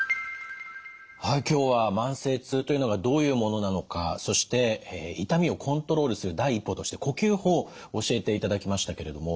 はい今日は慢性痛というのがどういうものなのかそして痛みをコントロールする第一歩として呼吸法教えていただきましたけれども。